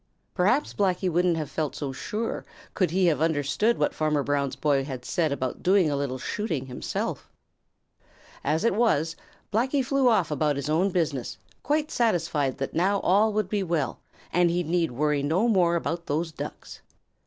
Perhaps Blacky wouldn't have felt so sure could he have understood what Farmer Brown's boy had said about doing a little shooting himself. As it was, Blacky flew off about his own business, quite satisfied that now all would be well, and he need worry no more about those Ducks.